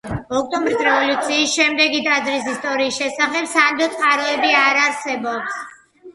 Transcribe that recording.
ოქტომბრის რევოლუციის შემდეგი ტაძრის ისტორიის შესახებ სანდო წყაროები არ არსებობს.